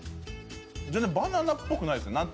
全然、バナナっぽくないですね。